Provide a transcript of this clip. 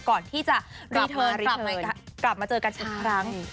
ก่อนที่จะกลับมาเจอกันค่ะ